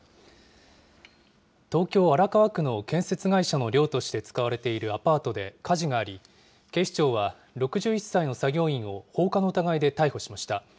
東京・荒川区の建設会社の寮として使われているアパートで火事があり、警視庁は、６１歳の作業員を放火の疑いで逮捕しました。